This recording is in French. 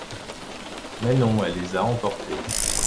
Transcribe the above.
Mais non, elle les a emportés...